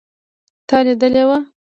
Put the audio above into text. تا لیدلی و